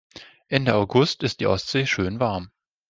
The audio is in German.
Ende August ist die Ostsee schön warm.